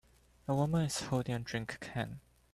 A woman is holding a drink can.